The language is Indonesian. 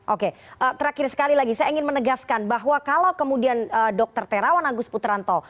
oke terakhir sekali lagi saya ingin menegaskan bahwa kalau kemudian dr terawan agus putranto